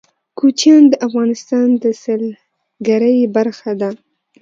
کوچیان د افغانستان د سیلګرۍ برخه ده.